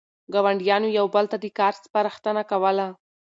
ګاونډیانو یو بل ته د کار سپارښتنه کوله.